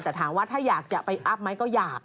แต่ถามว่าถ้าอยากจะไปอัพไหมก็อยาก